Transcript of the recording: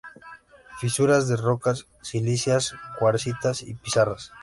Fisuras de rocas silíceas, cuarcitas y pizarras.